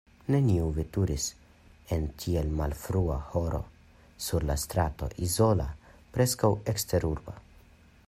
Neniu veturis en tiel malfrua horo sur la strato izola, preskaŭ eksterurba.